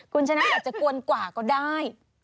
คุณชนะอาจจะกวนกว่าก็ได้